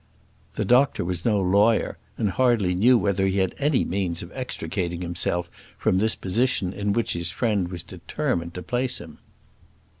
The doctor was no lawyer, and hardly knew whether he had any means of extricating himself from this position in which his friend was determined to place him.